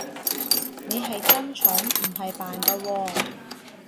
你係真蠢，唔係扮㗎喎